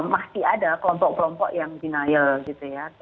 masih ada kelompok kelompok yang denial gitu ya